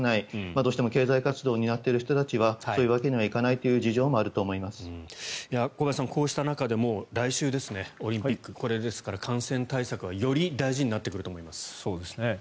どうしても経済活動を担っている人たちはそういうわけにはいかないという小林さん、こうした中で来週、オリンピックですから感染対策はより大事になってくると思います。